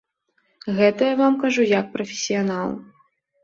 Гэта я вам кажу як прафесіянал.